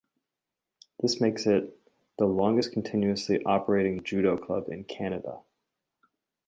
This makes it the longest continuously operating judo club in Canada.